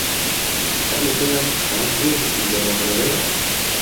هەریەکەیان خاوەن هێزێکی لەرادەبەدەرە